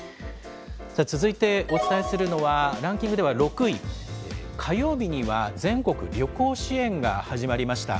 続いてお伝えするのは、ランキングでは６位、火曜日には、全国旅行支援が始まりました。